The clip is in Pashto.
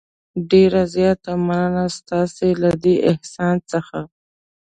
ډېره زیاته مننه ستاسې له دې احسان څخه.